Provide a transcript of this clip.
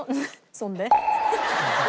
「そんで？」。